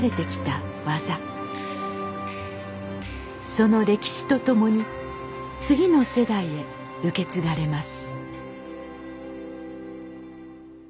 その歴史とともに次の世代へ受け継がれます。